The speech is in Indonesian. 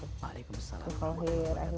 waalaikumsalam warahmatullahi wabarakatuh